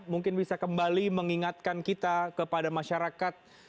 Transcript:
mungkin bisa kembali mengingatkan kita kepada masyarakat